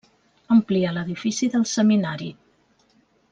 Amplia l'edifici del seminari.